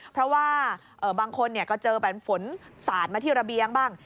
เพราะว่าบางคนก็เจอแบบฝนสาดมาที่ระเบียงบ้าง